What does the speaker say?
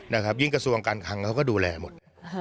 ยิ่งกระทรวงการคังเขาก็ดูแลหมด